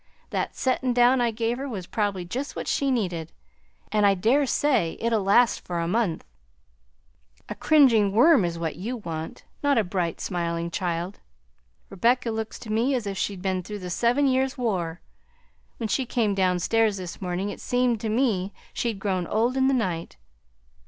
"That settin' down I gave her was probably just what she needed, and I daresay it'll last for a month." "I'm glad you're pleased," returned Jane. "A cringing worm is what you want, not a bright, smiling child. Rebecca looks to me as if she'd been through the Seven Years' War. When she came downstairs this morning it seemed to me she'd grown old in the night.